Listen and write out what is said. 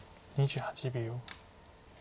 ２８秒。